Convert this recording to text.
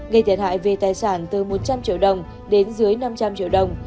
gây thiệt hại về tài sản từ một trăm linh triệu đồng đến dưới năm trăm linh triệu đồng